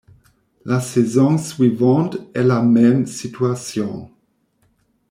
La saison suivante est la même situation.